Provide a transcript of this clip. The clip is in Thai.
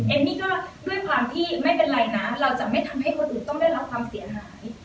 เอมมี่ก็ด้วยความที่ไม่เป็นไรนะเราจะไม่ทำให้คนอื่นต้องได้รับความเสียหาย